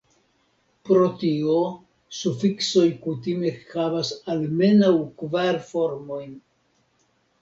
Pro tio, sufiksoj kutime havas almenaŭ kvar formojn.